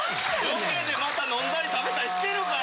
ロケでまた飲んだり食べたりしてるから。